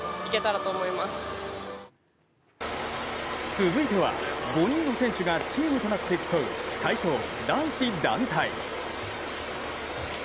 続いては、５人の選手がチームとなって競う体操男子団体。